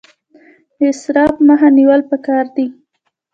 د اسراف مخه نیول پکار دي